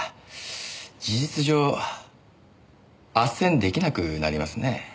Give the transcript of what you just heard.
事実上斡旋出来なくなりますね。